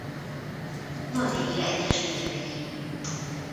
Norvégia egyes vidékein.